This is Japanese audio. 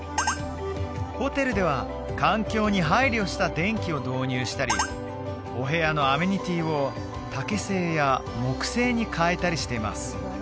ホテルでは環境に配慮した電気を導入したりお部屋のアメニティーを竹製や木製に変えたりしています